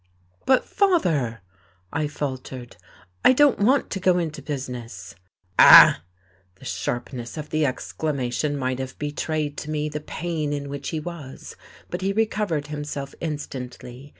"But father," I faltered, "I don't want to go into business." "Ah!" The sharpness of the exclamation might have betrayed to me the pain in which he was, but he recovered himself instantly.